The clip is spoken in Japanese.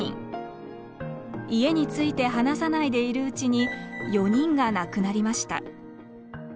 家について話さないでいるうちに４人が亡くなりました。